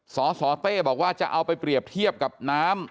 สสเต้บอกว่าจะเอาไปเปรียบเทียบกับน้ำ